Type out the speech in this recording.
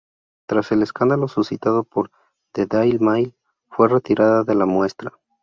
Tras el escándalo suscitado por "The Daily Mail", fue retirada de la muestra.